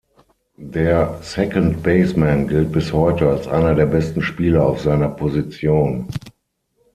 Der Second Baseman gilt bis heute als einer der besten Spieler auf seiner Position.